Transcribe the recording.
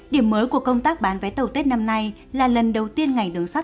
điểm mới của công tác bán vé tàu tết năm nay là lần đầu tiên ngành đường sắt